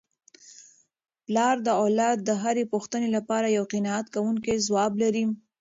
پلار د اولاد د هرې پوښتني لپاره یو قناعت کوونکی ځواب لري.